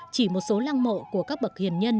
chỉ một số lang mộ của các bậc hiền nhân